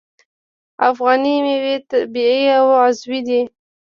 افغاني میوې طبیعي او عضوي دي.